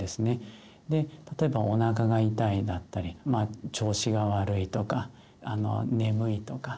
例えばおなかが痛いだったりまあ調子が悪いとか眠いとか。